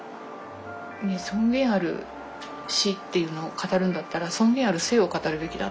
尊厳ある死っていうのを語るんだったら尊厳ある生を語るべきであって。